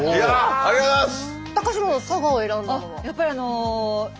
ありがとうございます。